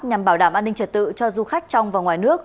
nhằm bảo đảm an ninh trật tự cho du khách trong và ngoài nước